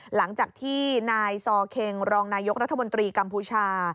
หลังจากที่นายซอเคงรองนายกรัฐมนตรีกัมพูชา